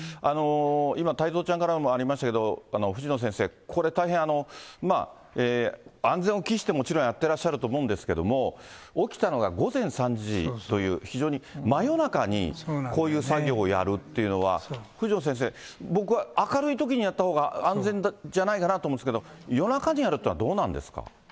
今、太蔵ちゃんからもありましたけれども、藤野先生、これ大変、まあ、安全を期してもちろんやってらっしゃると思うんですけれども、起きたのが午前３時という、非常に真夜中にこういう作業をやるっていうのは、藤野先生、僕は明るいときにやったほうが安全じゃないかなと思うんですけれども、夜中にやるというのはどうなんですか。